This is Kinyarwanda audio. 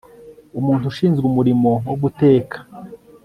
Umuntu ushinzwe umurimo wo guteka